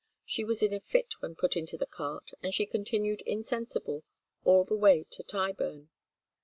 She was in a fit when put into the cart, and she continued insensible all the way to Tyburn.